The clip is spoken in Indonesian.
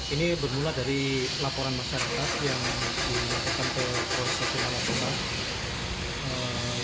ini bermula dari laporan masyarakat yang dilakukan ke kursus kewala pembangunan